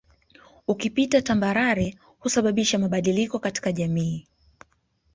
Ukipita tambarare husababisha mabadiliko katika jamii